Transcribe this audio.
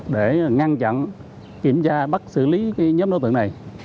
để ngăn chặn kiểm tra bắt xử lý nhóm đối tượng này